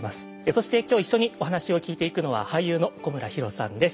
そして今日一緒にお話を聞いていくのは俳優の古村比呂さんです。